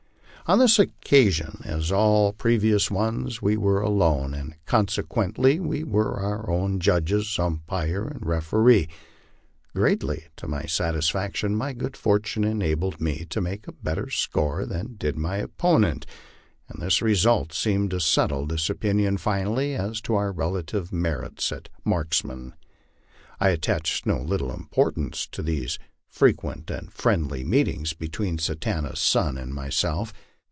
On this occasion, as on all previous ones, we were alone, and consequently we were our own judges, umpire, and referee. Greatly to my satisfaction, my good fortune enabled me to make a better score than did niy opponent, and this result seemed to settle his opinion finally as to our relative merits as marksmen. I attached no little importance to these frequent and friendly meetings between Satanta's son and myself.